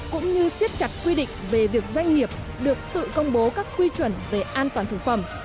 cũng như siết chặt quy định về việc doanh nghiệp được tự công bố các quy chuẩn về an toàn thực phẩm